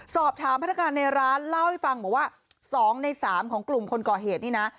พนักงานในร้านเล่าให้ฟังบอกว่า๒ใน๓ของกลุ่มคนก่อเหตุนี่นะ